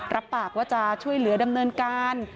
รับปากว่าจะช่วยเหลือดำเนินการ